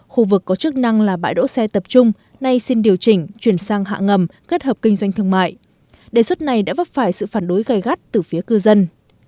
khu vực có chức năng là bãi đỗ xe tập trung nay xin điều chỉnh chuyển sang hạ ngầm kết hợp kinh doanh thương mại đề xuất này đã vấp phải sự phản đối gây gắt từ phía cư dân